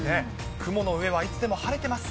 雲の上はいつでも晴れてます。